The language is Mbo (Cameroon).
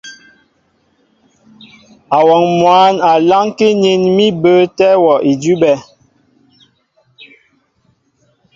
Awɔŋ mwǎn a lánkí nín mí bəətɛ́ wɔ́ idʉ́bɛ́.